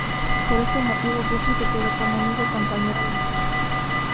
Por este motivo, Goofy se quedó como único compañero de Mickey.